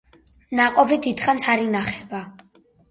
ნაყოფი დიდხანს არ ინახება.